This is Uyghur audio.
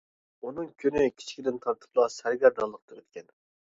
ئۇنىڭ كۈنى كىچىكىدىن تارتىپلا سەرگەردانلىقتا ئۆتكەن.